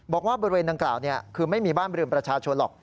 บอกว่าบริเวณดังกล่าวคือไม่มีบ้านเรือนประชาชนหรอก